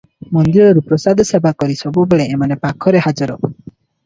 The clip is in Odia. ମନ୍ଦିରରୁ ପ୍ରସାଦ ସେବା କରି ସବୁବେଳେ ଏମାନେ ପାଖରେ ହାଜର ।